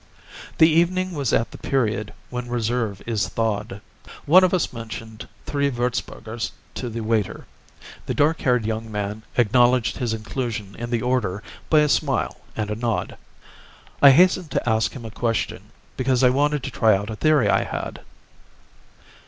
The evening was at the period when reserve is thawed. One of us mentioned three Würzburgers to the waiter; the dark haired young man acknowledged his inclusion in the order by a smile and a nod. I hastened to ask him a question because I wanted to try out a theory I had.